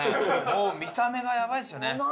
もう見た目がやばいですよね。